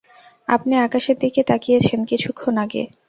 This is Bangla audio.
আপনি আকাশের দিকে তাকিয়েছেন কিছুক্ষণ আগে।